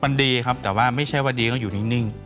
มันดีครับแต่ว่าไม่ใช่ว่าดีก็อยู่นิ่ง